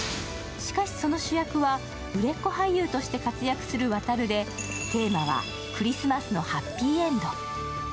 しかし、その主役は売れっ子俳優として活躍する渉で、テーマは「クリスマスのハッピーエンド」。